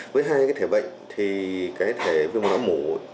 với hai thể bệnh thì cái thể viêm mồm não mụn